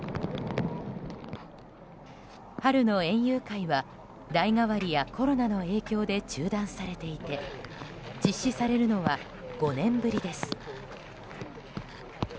春の園遊会は代替わりやコロナの影響で中断されていて実施されるのは５年ぶりです。